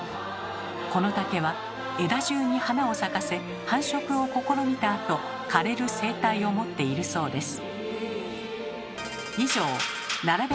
この竹は枝じゅうに花を咲かせ繁殖を試みたあと枯れる生態を持っているそうです。